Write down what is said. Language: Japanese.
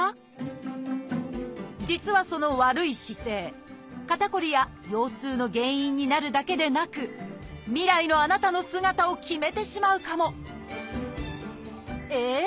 実はその悪い姿勢肩こりや腰痛の原因になるだけでなく未来のあなたの姿を決めてしまうかもええ？